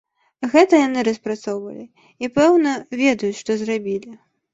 Гэта яны распрацоўвалі, і пэўна, ведаюць, што зрабілі.